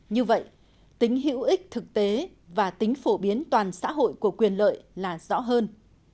như vậy tính hữu ích thực tế và tính phổ biến toàn xã hội của quyền lợi là rõ hơn